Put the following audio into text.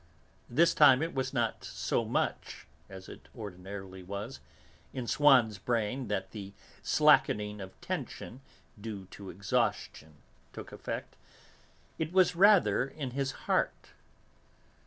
This time it was not so much as it ordinarily was in Swann's brain that the slackening of tension due to exhaustion took effect, it was rather in his heart.